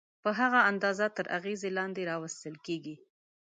په هغه اندازه تر اغېزې لاندې راوستل کېږي.